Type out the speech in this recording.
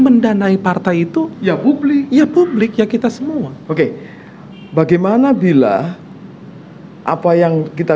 mendanai partai itu ya publik ya publik ya kita semua oke bagaimana bila apa yang kita